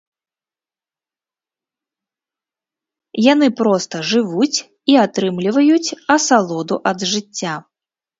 Яны проста жывуць і атрымліваюць асалоду ад жыцця.